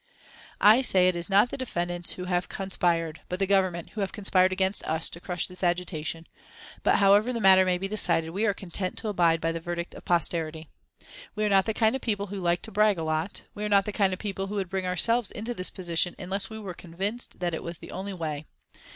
"I say it is not the defendants who have conspired, but the Government who have conspired against us to crush this agitation; but however the matter may be decided, we are content to abide by the verdict of posterity. We are not the kind of people who like to brag a lot; we are not the kind of people who would bring ourselves into this position unless we were convinced that it was the only way.